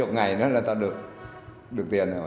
hai mươi ngày nữa là tao được tiền rồi